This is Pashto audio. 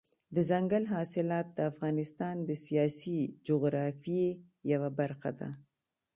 دځنګل حاصلات د افغانستان د سیاسي جغرافیې یوه برخه ده.